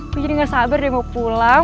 aku jadi gak sabar deh mau pulang